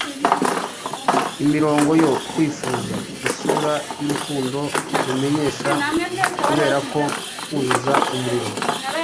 Imirongo yo Kwifuza Isura y'urukundo rumenyesha Kuberako kuzuza umuriro